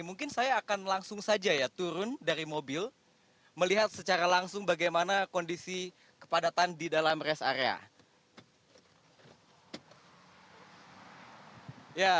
mungkin saya akan langsung saja ya turun dari mobil melihat secara langsung bagaimana kondisi kepadatan di dalam rest area